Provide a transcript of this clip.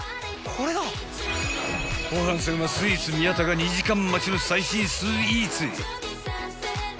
［後半戦はスイーツ宮田が２時間待ちの最新スイーツへ］